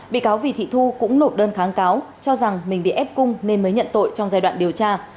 bị cáo vì thị thu cũng nộp đơn kháng cáo cho rằng mình bị ép cung nên mới nhận tội trong giai đoạn điều tra